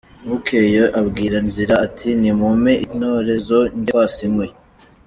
Bukeye abwira Nzira, ati "Nimumpe intorezo njye kwasa inkwi.